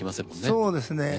そうですね。